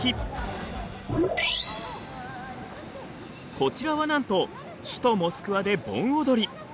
こちらはなんと首都モスクワで盆踊り。